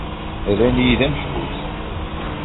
Rran-iyi d ameḥbus.